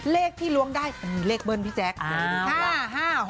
เลขที่ล้วงได้เลขเบิ้ลพี่แจ๊ก๕๖นี้นี่อยากดูหน่อยจ้า